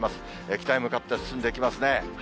北へ向かって進んでいきますね。